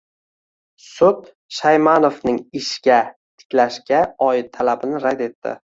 sud Shaymanovning ishga tiklashga oid talabini rad etdi.